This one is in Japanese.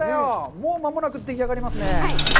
もう間もなくでき上がりますね。